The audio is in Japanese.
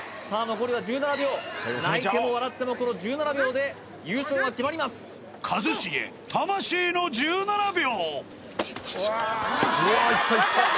残りは１７秒泣いても笑ってもこの１７秒で優勝は決まります一茂魂の１７秒！